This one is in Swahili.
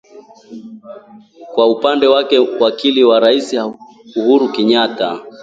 Kwa upande wake wakili wa rais Uhuru Kenyatta